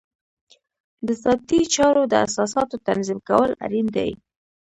د ذاتي چارو د اساساتو تنظیم کول اړین دي.